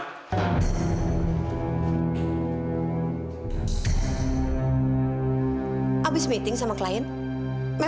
habis meeting sama klien memangnya kenapa